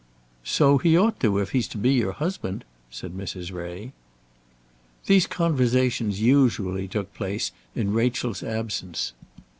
"So he ought if he's to be your husband," said Mrs. Ray. These conversations usually took place in Rachel's absence.